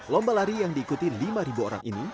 lomba lari yang diikuti lima orang ini